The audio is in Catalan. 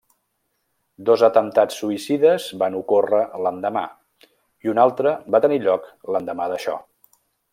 Dos atemptats suïcides van ocórrer l'endemà, i un altre va tenir lloc l'endemà d'això.